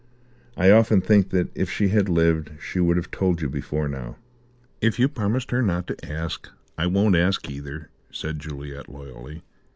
I often think that if she had lived she would have told you before now." "If you promised her not to ask, I won't ask either," said Juliet loyally.